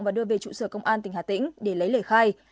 và đưa về trụ sở công an tỉnh hà tĩnh để lấy lời khai